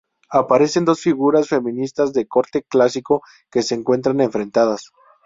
Aparecen dos figuras femeninas de corte clásico que se encuentran enfrentadas.